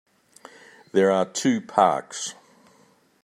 There are two parks.